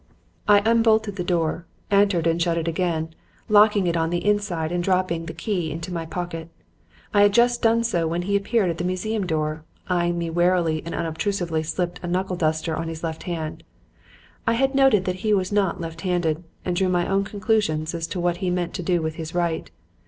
"I unbolted the door, entered and shut it again, locking it on the inside and dropping the key into my pocket. I had just done so when he appeared at the museum door, eyeing me warily and unobtrusively slipping a knuckle duster on his left hand. I had noted that he was not left handed and drew my own conclusions as to what he meant to do with his right.